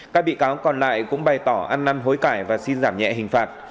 các bị cáo còn lại cũng bày tỏ ăn năn hối cải và xin giảm nhẹ hình phạt